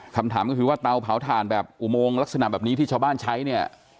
คำถามก็คือว่าเตาเผาถ่านแบบอุโมงลักษณะแบบนี้ที่ชาวบ้านใช้เนี่ย